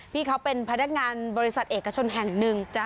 พี่เขาเป็นพนักงานบริษัทเอกชนแห่งหนึ่ง